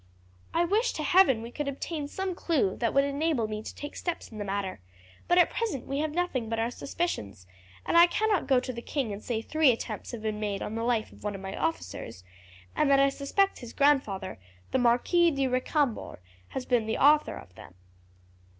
"I wish to heaven we could obtain some clue that would enable me to take steps in the matter; but at present we have nothing but our suspicions, and I cannot go to the king and say three attempts have been made on the life of one of my officers, and that I suspect his grandfather, the Marquis de Recambours, has been the author of them."